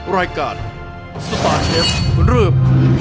รายการสตาร์เชฟเริ่ม